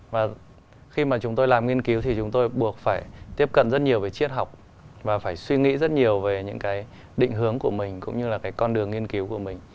và khi mà chúng tôi làm nghiên cứu thì chúng tôi buộc phải tiếp cận rất nhiều về triết học và phải suy nghĩ rất nhiều về những cái định hướng của mình cũng như là cái con đường nghiên cứu của mình